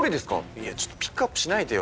いやちょっとピックアップしないでよ